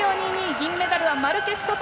銀メダルはマルケスソト。